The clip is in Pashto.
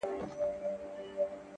زما سره اوس لا هم د هغي بېوفا ياري ده ـ